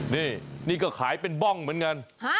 นี่นี่ก็ขายเป็นบ้องเหมือนกัน